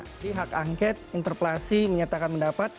jadi hak angket interpelasi menyatakan pendapat